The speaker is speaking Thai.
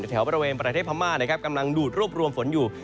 ในแถวบริเวณประเทศพม่ากำลังดูดรวมฝนอยู่